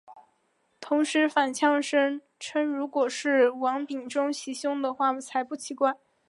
同时反呛声称如果是王炳忠袭胸的话才不奇怪。